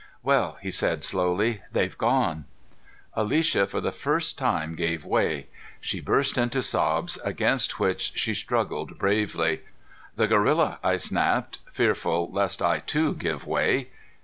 "Well," he said slowly. "They've gone." Alicia, for the first time, gave way. She burst into sobs, against which she struggled bravely. "The gorilla!" I snapped, fearful lest I too give way.